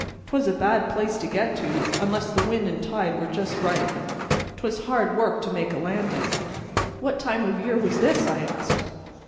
'Twas a bad place to get to, unless the wind an' tide were just right; 'twas hard work to make a landing." "What time of year was this?" I asked.